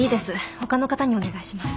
他の方にお願いします。